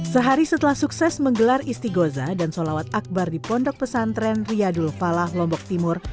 sehari setelah sukses menggelar isti gozah dan solawat akbar di pondok pesantren riyadul falah lombok timur